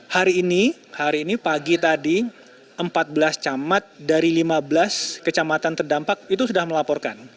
hari ini hari ini pagi tadi empat belas camat dari lima belas kecamatan terdampak itu sudah melaporkan